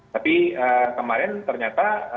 tapi kemarin ternyata